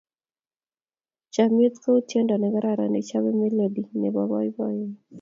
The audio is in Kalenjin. Chomnyet kou tyendo ne kararan nechobei melody nebo boiboiyet.